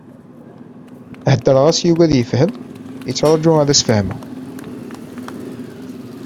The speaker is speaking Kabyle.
Heddṛeɣ-as yugi ad yefhem, yettṛaǧu ad as-fehmeɣ!